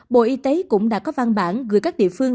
bộ y tế cũng đã có văn bản gửi các địa phương